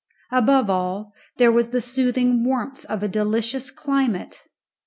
Above all, there was the soothing warmth of a delicious climate.